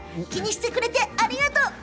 気にしてくれてありがとう。